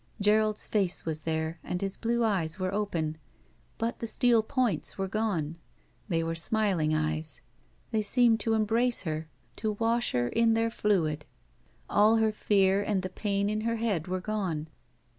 Gerald's face was there, and his blue ^es were open, but the steel points were gone. They were smiling eyes. They seemed to embrace her, to wash her in their fluid. All her fear and the pain in her head were gone.